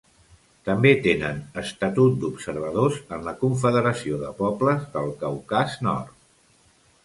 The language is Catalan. També tenen estatut d'observadors en la Confederació de Pobles del Caucas Nord.